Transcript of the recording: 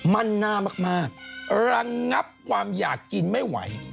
มั่นหน้ามากรังงับความอยากกินไม่ไหว